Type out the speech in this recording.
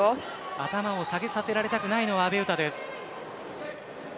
頭を下げさせられたくない阿部詩です。